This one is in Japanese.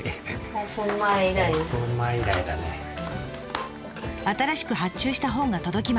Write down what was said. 新しく発注した本が届きました。